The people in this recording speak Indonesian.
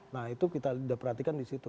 nah itu kita perhatikan di situ